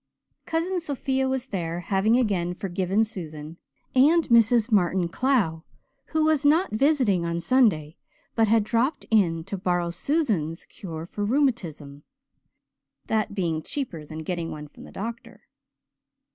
Cousin Sophia was there, having again forgiven Susan, and Mrs. Martin Clow, who was not visiting on Sunday but had dropped in to borrow Susan's cure for rheumatism that being cheaper than getting one from the doctor.